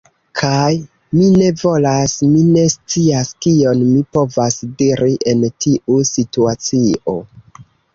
Kaj, mi ne volas... mi ne scias kion mi povas diri en tiu situacio.